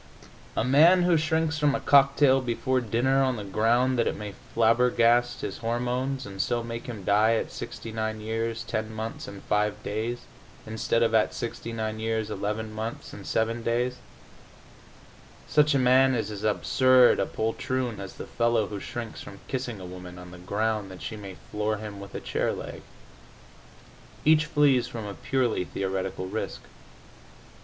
A man who shrinks from a cocktail before dinner on the ground that it may flabbergast his hormones, and so make him die at 69 years, ten months and five days instead of at 69 years, eleven months and seven days such a man is as absurd a poltroon as the fellow who shrinks from kissing a woman on the ground that she may floor him with a chair leg. Each flees from a purely theoretical risk.